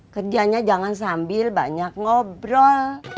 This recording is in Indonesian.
kerjanya jangan sambil banyak ngobrol